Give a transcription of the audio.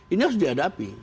ini harus dihadapi